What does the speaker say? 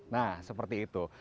nah seperti itu